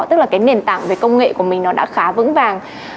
tức là cái nền tảng về công nghệ của mình nó đã khá vững vàng